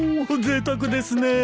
ぜいたくですねえ。